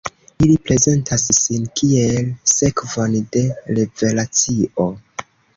Ili prezentas sin kiel sekvon de revelacio.